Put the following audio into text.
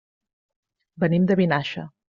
Venim de Vinaixa.